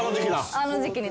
あの時期に。